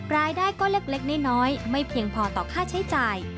รายได้ก็เล็กน้อยไม่เพียงพอต่อค่าใช้จ่าย